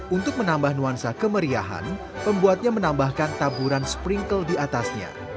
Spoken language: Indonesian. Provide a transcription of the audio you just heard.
untuk menambah nuansa kemeriahan pembuatnya menambahkan taburan sprinkle di atasnya